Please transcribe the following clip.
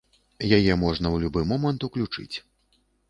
Яе можна ў любы момант уключыць.